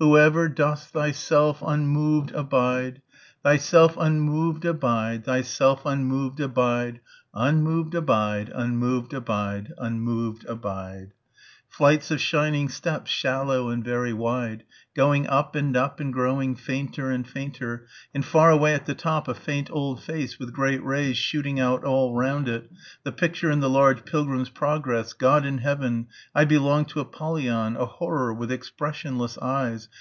Who ... ever Dost Thy ... self un ... Moved a Bide.... Thyself unmoved abide ... Thyself unmoved abide ... Unmoved abide.... Unmoved abide.... Unmoved Abide ...... Flights of shining steps, shallow and very wide going up and up and growing fainter and fainter, and far away at the top a faint old face with great rays shooting out all round it ... the picture in the large "Pilgrim's Progress." ... God in heaven.... I belong to Apollyon ... a horror with expressionless eyes